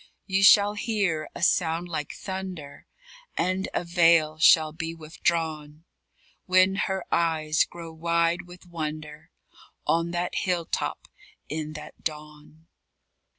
_You shall hear a sound like thunder, And a veil shall be withdrawn, When her eyes grow wide with wonder, On that hill top, in that dawn.